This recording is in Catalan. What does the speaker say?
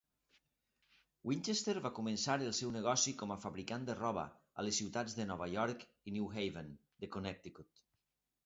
Winchester va començar el seu negoci com a fabricant de roba a les ciutats de Nova York i New Haven de Connecticut.